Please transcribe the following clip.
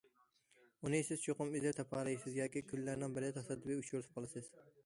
ئۇنى سىز چوقۇم ئىزدەپ تاپالايسىز ياكى كۈنلەرنىڭ بىرىدە تاسادىپىي ئۇچرىتىپ قالىسىز.